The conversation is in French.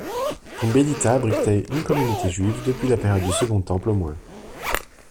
Poumbedita abritait une communauté juive depuis la période du Second Temple au moins.